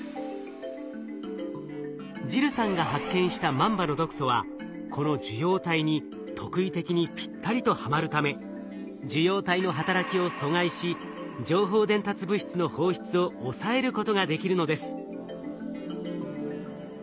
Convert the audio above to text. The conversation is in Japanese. ジルさんが発見したマンバの毒素はこの受容体に特異的にぴったりとはまるため受容体の働きを阻害し情報伝達物質の放出を抑えることができるのです。